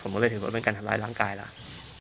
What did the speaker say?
ผมก็เลยถือว่าเป็นการทำร้ายร่างกายแล้ว